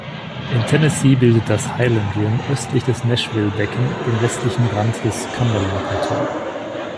In Tennessee bildet das "Highland Rim" östlich des Nashville-Becken den westlichen Rand des Cumberland-Plateau.